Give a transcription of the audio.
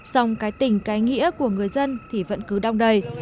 xong cái tình cái nghĩa của người dân thì vẫn cứ đong đầy